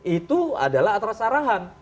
itu adalah atas arahan